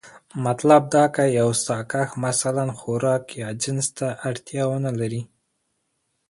مطلب دا که يو ساکښ مثلا خوراک يا جنس ته اړتيا ونه لري،